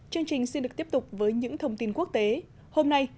chương trình xin được tiếp tục với những thông tin quốc tế hôm nay